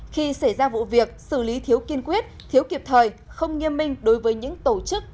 khi xảy ra vụ việc xử lý thiếu kiên quyết thiếu kịp thời không nghiêm minh đối với những tổ chức